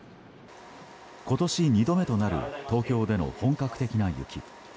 今年２度目となる東京での本格的な雪。